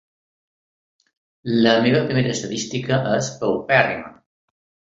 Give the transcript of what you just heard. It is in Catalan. La meva primera estadística és paupèrrima.